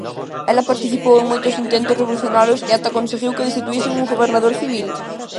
Ela participou en moitos intentos revolucionarios e até conseguiu que destituísen un gobernador civil.